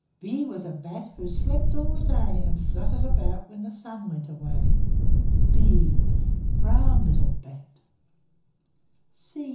B B was a bat, Who slept all the day, And fluttered about When the sun went away. b! Brown little bat!